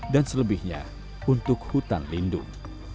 dan selebihnya untuk hutan lindung